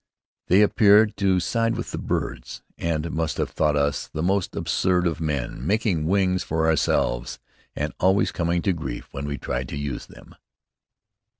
They appeared to side with the birds, and must have thought us the most absurd of men, making wings for ourselves, and always coming to grief when we tried to use them.